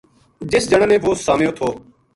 جس جنا نے وہ سامیو تھو